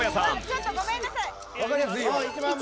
ちょっとごめんなさい！